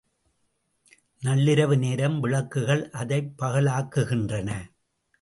நள்ளிரவு நேரம் விளக்குகள் அதைப் பகலாக்குகின்றன.